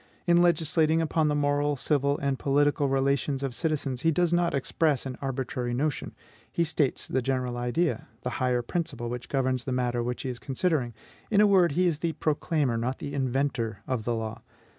In legislating upon the moral, civil, and political relations of citizens, he does not express an arbitrary notion: he states the general idea, the higher principle which governs the matter which he is considering; in a word, he is the proclaimer, not the inventor, of the law.